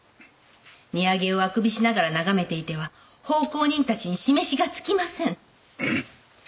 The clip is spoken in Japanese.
荷揚げをあくびしながら眺めていては奉公人たちに示しがつきません。